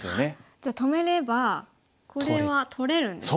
じゃあ止めればこれは取れるんですね。